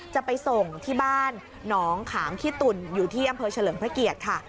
จะไปส่งที่บ้านหนองขามขี้ตุ่นอยู่ที่อำเภอเฉลิมพระเกียรติค่ะ